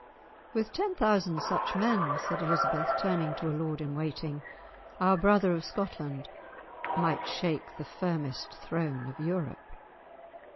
"With ten thousand such men," said Elizabeth, turning to a lord in waiting, "our brother of Scotland might shake the firmest throne of Europe."